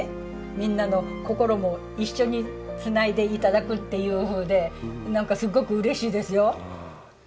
みんなの心も一緒につないで頂くっていうふうでなんかすごくうれしいですよ。